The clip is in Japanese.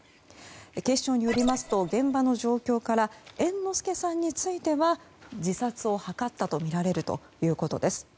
警視庁によりますと現場の状況から猿之助さんについては自殺を図ったとみられるということです。